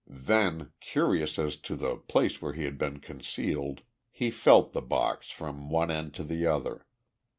Then, curious as to the place where he had been concealed, he felt the box from one end to the other.